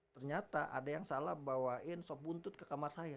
ternyata ada yang salah bawain sop buntut ke kamar saya